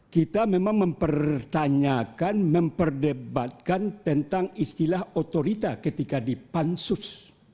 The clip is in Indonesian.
kita memang mempertanyakan memperdebatkan tentang istilah otorita ketika di pansus